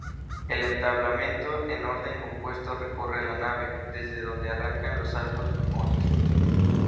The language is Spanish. El entablamento en orden compuesto recorre la nave, desde donde arrancan los arcos fajones.